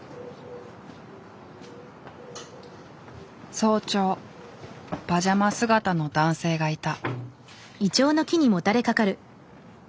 早朝パジャマ姿の男性がいた。